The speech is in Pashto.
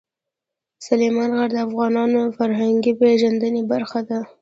سلیمان غر د افغانانو د فرهنګي پیژندنې برخه ده.